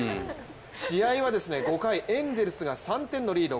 試合は５回、エンゼルスが３点のリード。